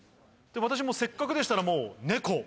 私せっかくでしたらもう。